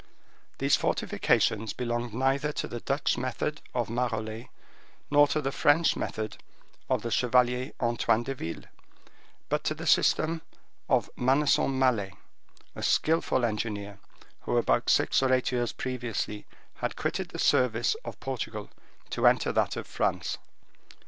These fortifications belonged neither to the Dutch method of Marollais, nor to the French method of the Chevalier Antoine de Ville, but to the system of Manesson Mallet, a skillful engineer, who about six or eight years previously had quitted the service of Portugal to enter that of France.